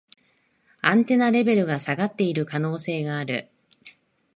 アンテナレベルが下がってる可能性がある